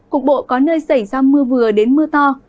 cục bộ có nơi xảy ra mưa vừa đến mưa to